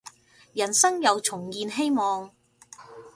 人生又重燃希望